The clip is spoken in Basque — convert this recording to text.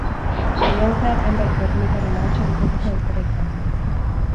Saioan zehar hainbat gernikarren ahotsa entzuteko aukera izan da.